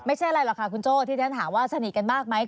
ไม่ใช่อะไรหรอกค่ะคุณโจ้ที่ฉันถามว่าสนิทกันมากไหม